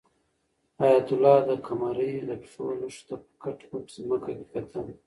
حیات الله د قمرۍ د پښو نښو ته په کټ مټه ځمکه کې کتل.